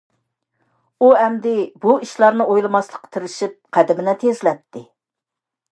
ئۇ ئەمدى بۇ ئىشلارنى ئويلىماسلىققا تىرىشىپ قەدىمىنى تېزلەتتى.